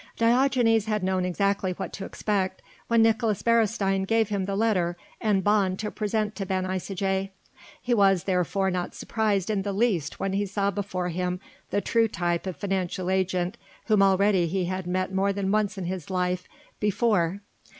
Diogenes had known exactly what to expect when Nicolaes Beresteyn gave him the letter and bond to present to Ben Isaje; he was, therefore, not surprised in the least when he saw before him the true type of financial agent whom already he had met more than once in his life before.